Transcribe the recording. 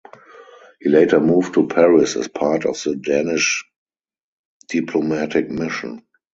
He later moved to Paris as part of the Danish diplomatic mission.